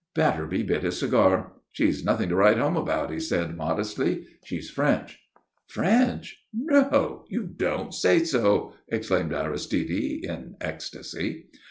Batterby lit his cigar. "She's nothing to write home about," he said, modestly. "She's French." "French? No you don't say so!" exclaimed Aristide, in ecstasy.